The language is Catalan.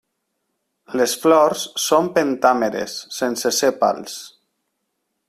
Les flors són pentàmeres, sense sèpals.